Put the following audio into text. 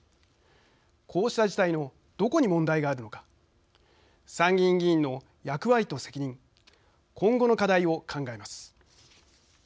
こうした事態のどこに問題があるのか参議院議員の役割と責任今後の課題を考えます。